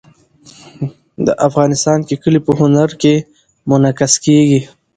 افغانستان کې کلي په هنر کې منعکس کېږي.